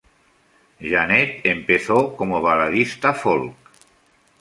Jeanette empezó como baladista folk.